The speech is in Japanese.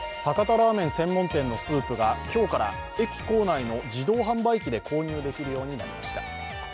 ラーメン専門店のスープが今日から駅構内の自動販売機で購入できるようになりました。